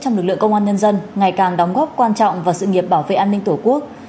trong lực lượng công an nhân dân ngày càng đóng góp quan trọng vào sự nghiệp bảo vệ an ninh tổ quốc